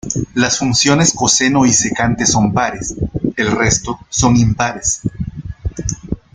Las funciones coseno y secante son pares, el resto son impares.